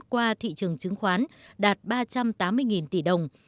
qua thị trường chứng khoán đạt ba trăm tám mươi tỷ đồng